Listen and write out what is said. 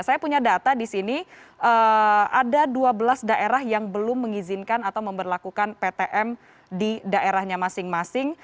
saya punya data di sini ada dua belas daerah yang belum mengizinkan atau memperlakukan ptm di daerahnya masing masing